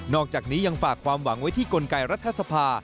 อกจากนี้ยังฝากความหวังไว้ที่กลไกรัฐสภา